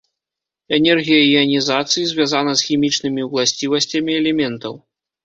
Энергія іанізацыі звязана з хімічнымі ўласцівасцямі элементаў.